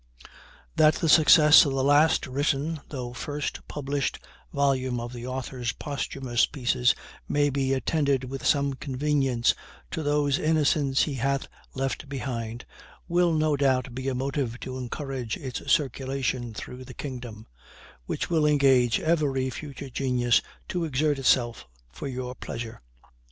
That the success of the last written, though first published, volume of the author's posthumous pieces may be attended with some convenience to those innocents he hath left behind, will no doubt be a motive to encourage its circulation through the kingdom, which will engage every future genius to exert itself for your pleasure.